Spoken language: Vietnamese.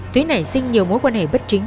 thúy nảy sinh nhiều mối quan hệ bất chính